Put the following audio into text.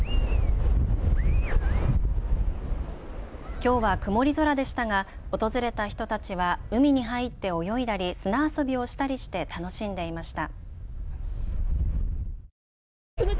きょうは曇り空でしたが訪れた人たちは海に入って泳いだり砂遊びをしたりして楽しんでいました。